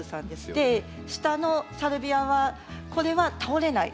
で下のサルビアはこれは倒れない。